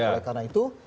oleh karena itu